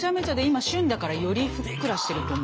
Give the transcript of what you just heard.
今旬だからよりふっくらしてると思うけど。